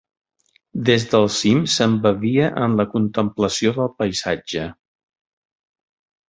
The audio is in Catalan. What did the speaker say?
Des del cim s'embevia en la contemplació del paisatge.